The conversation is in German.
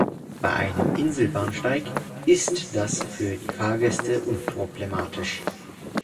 Bei einem Inselbahnsteig ist das für die Fahrgäste unproblematisch.